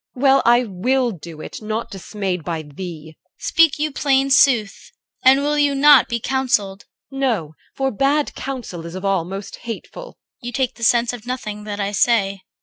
Well, I will do it, nought dismayed by thee. CHR. Speak you plain sooth? and will you not be counselled? EL. No, for bad counsel is of all most hateful. CHR. You take the sense of nothing that I say.